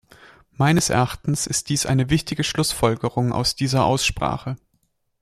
Meines Erachtens ist dies eine wichtige Schlussfolgerung aus dieser Aussprache.